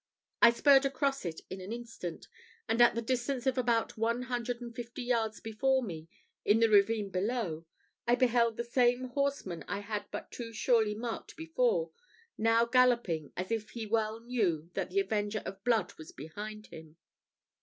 I spurred across it in an instant, and at the distance of about one hundred and fifty yards before me, in the ravine below, I beheld the same horseman I had but too surely marked before, now galloping as if he well knew that the avenger of blood was behind him.